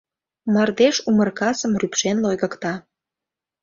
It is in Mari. Мардеж, умыр касым рӱпшен, лойгыкта.